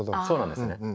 そうなんですね。